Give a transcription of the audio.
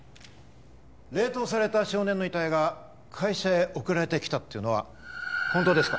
冷凍された少年の遺体が会社へ送られて来たっていうのは本当ですか？